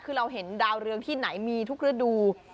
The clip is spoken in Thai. คือเราเห็นดาวเรืองที่ไหนมีทุกฤดู